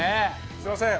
すみません。